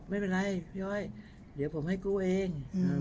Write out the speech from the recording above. ไม่เป็นไรพี่อ้อยเดี๋ยวผมให้กู้เอง